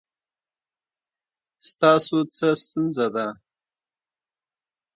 ستاسو څه ستونزه ده؟